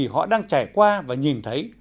họ đang trải qua và nhìn thấy